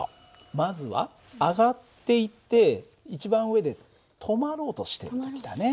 まずは上がっていって一番上で止まろうとしてる時だね。